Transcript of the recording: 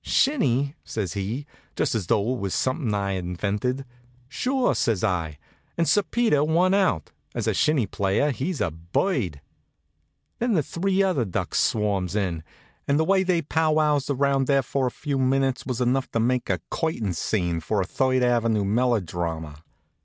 "Shinny?" says he, just as though it was something I'd invented. "Sure," says I. "And Sir Peter won out. As a shinny player he's a bird." Then the three other ducks swarms in, and the way they powwows around there for a few minutes was enough to make a curtain scene for a Third avenue melodrama.